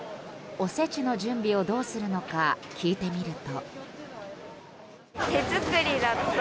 おせちの準備をどうするのか聞いてみると。